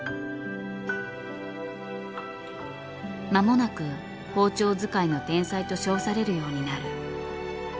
まもなく包丁使いの天才と称されるようになる。